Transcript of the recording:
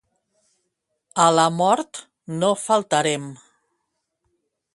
A la mort no faltarem.